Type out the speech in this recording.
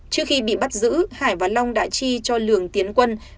trước khi bị bắt giữ hải và long đã chi cho lường tiến quân